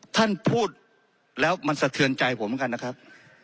ท่านพูดแล้วมันสะเทือนใจผมเหมือนกันนะครับ